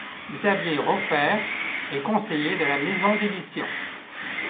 Xavier Raufer est conseiller de la maison d'édition.